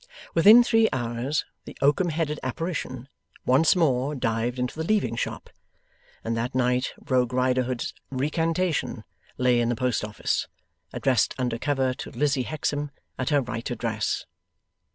Within three hours the oakum headed apparition once more dived into the Leaving Shop, and that night Rogue Riderhood's recantation lay in the post office, addressed under cover to Lizzie Hexam at her right address.